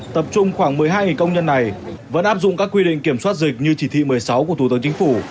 tập trung khoảng một mươi hai công nhân này vẫn áp dụng các quy định kiểm soát dịch như chỉ thị một mươi sáu của thủ tướng chính phủ